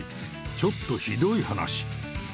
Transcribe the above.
ちょっとひどい話。